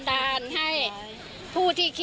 สาโชค